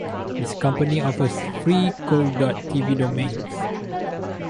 This company offers free co dot TV subdomains.